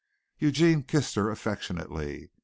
Eugene kissed her affectionately.